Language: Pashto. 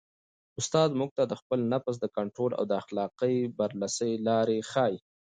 استاد موږ ته د خپل نفس د کنټرول او د اخلاقي برلاسۍ لارې ښيي.